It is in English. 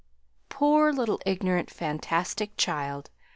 Poor little ignorant, fantastic child!